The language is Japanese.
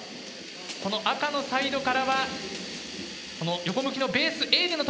この赤のサイドからはこの横向きのベースＡでの得点